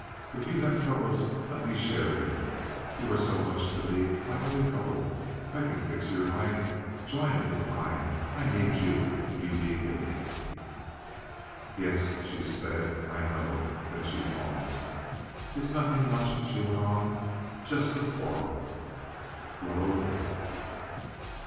If you have troubles let me share them. You are so much to me—my only trouble. I can fix your life. Join it with mine. I need you, and you need me." "Yes," she said, "I know." Then she paused. "It's nothing much," she went on—"just a quarrel." "What over?"